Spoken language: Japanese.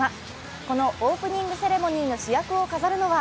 このオープニングセレモニーの主役を飾るのは